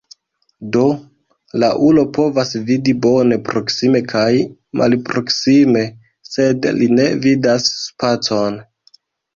Do la ulo povas vidi bone proksime kaj malproksime, sed li ne vidas spacon.